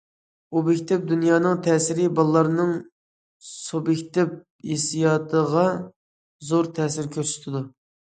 ئوبيېكتىپ دۇنيانىڭ تەسىرى بالىلارنىڭ سۇبيېكتىپ ھېسسىياتىغا زور تەسىر كۆرسىتىدۇ.